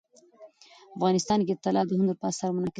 افغانستان کې طلا د هنر په اثار کې منعکس کېږي.